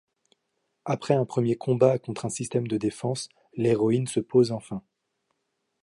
Après un premier combat contre un système de défense, l'héroïne se pose enfin.